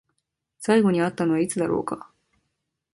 最後に会ったのはいつだろうか？